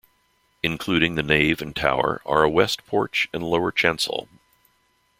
Including the nave and tower are a west porch and lower chancel.